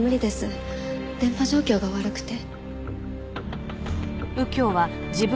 電波状況が悪くて。